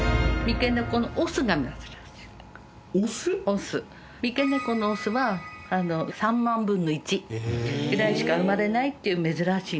三毛猫のオスは３万分の１ぐらいしか生まれないっていう珍しい猫。